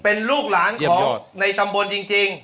เป็นลูกหลานของในตำบลจริง